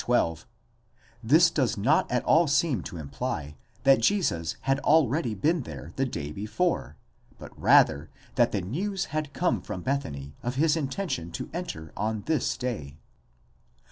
12), this does not at all seem to imply that Jesus had already been there the day before, but rather that the news had come from Bethany, of his intention to enter on this day.